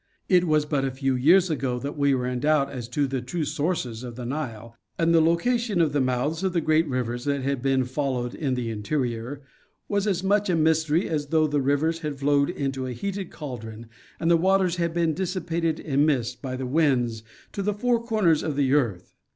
It was but a few years ago that we were in doubt as to the true sources of the Nile, and the loca tion of the mouths of great rivers that had been followed in the interior, was as much a mystery as though the rivers had flowed into a heated cauldron and the waters had been dissipated in mist, by the winds, to the four corners of the earth.